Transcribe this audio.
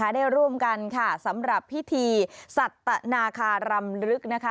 ได้ร่วมกันสำหรับพิธีสัตว์นาคารำลึก